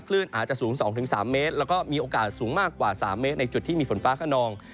คลื่นอาจจะสูง๒๓เมตรแล้วก็มีโอกาสสูงมากกว่า๓เมตรในจุดที่มีฝนฟ้าขนอง